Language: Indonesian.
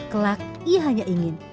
kelak ia hanya ingin